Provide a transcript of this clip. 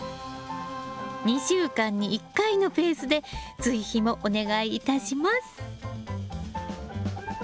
２週間に１回のペースで追肥もお願いいたします。